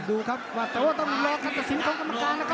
ดูครับว่าต้องรอคัตสินของกรรมการนะครับ